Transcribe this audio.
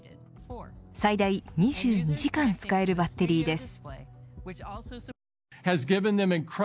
最大２２時間使えるバッテリーです。